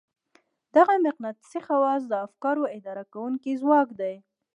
دغه مقناطيسي خواص د افکارو اداره کوونکی ځواک دی.